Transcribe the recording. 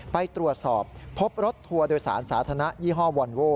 ไปตรวจสอบพบรถทัวร์โดยสารสาธารณะยี่ห้อวอนโว้